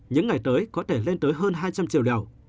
những ngày tới có thể lên tới hơn hai trăm linh triệu liều